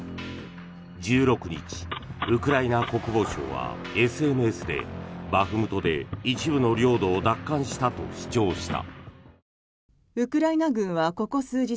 １６日、ウクライナ国防省はＳＮＳでバフムトで一部の領土を奪還したと主張した。